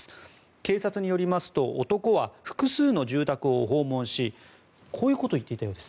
警察によりますと男は複数の住宅を訪問しこういうことを言っていたようです。